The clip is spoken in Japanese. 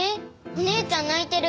お姉ちゃん泣いてる。